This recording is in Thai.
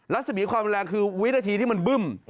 ลักษมีค์ความนุ่นแรงคือวิดาธีที่มันบึ้ม